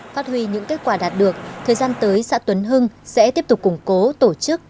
phát huy những kết quả đạt được thời gian tới xã tuấn hưng sẽ tiếp tục củng cố tổ chức